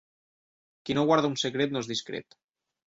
Qui no guarda un secret, no és discret.